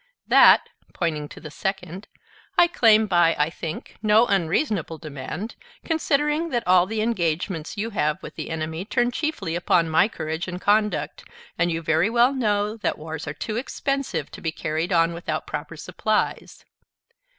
That [pointing to the second] I claim by, I think, no unreasonable demand; considering that all the engagements you have with the enemy turn chiefly upon my courage and conduct, and you very well know that wars are too expensive to be carried on without proper supplies.